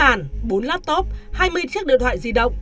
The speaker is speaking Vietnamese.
máy tính bàn bốn laptop hai mươi chiếc điện thoại di động